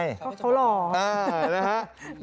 เขาหล่อ